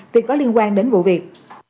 việc có liên quan đến vụ việc